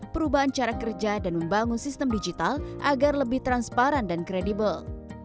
perubahan cara kerja dan membangun sistem digital agar lebih transparan dan kredibel